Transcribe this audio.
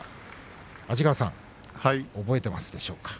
安治川さん覚えていますでしょうか。